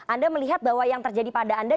anda melihat bahwa yang terjadi pada anda